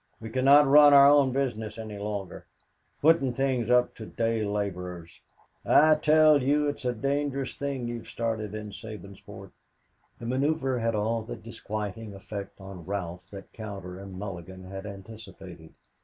We cannot run our own business any longer. Putting things up to day laborers! I tell you it's a dangerous thing you have started in Sabinsport." The maneuver had all the disquieting effect on Ralph that Cowder and Mulligan had anticipated.